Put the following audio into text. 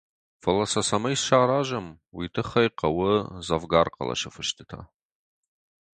Фӕлӕ сӕ цӕмӕй саразӕм, уый тыххӕй хъӕуы дзӕвгар хъӕлӕсы фыстытӕ.